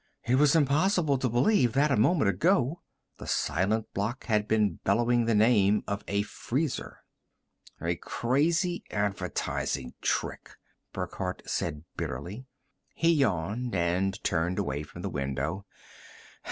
It was impossible to believe that, a moment ago, the silent block had been bellowing the name of a freezer. "A crazy advertising trick," Burckhardt said bitterly. He yawned and turned away from the window.